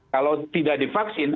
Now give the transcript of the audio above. kalau tidak divaksin